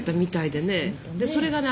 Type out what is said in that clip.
でそれがね